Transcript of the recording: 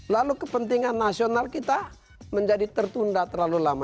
lalu kepentingan nasional kita menjadi tertunda terlalu lama